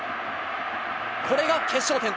これが決勝点。